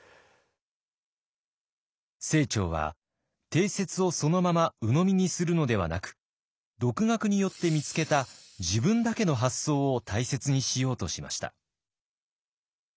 清張は定説をそのままうのみにするのではなく独学によって見つけた自分だけの発想を大切にしようとしました。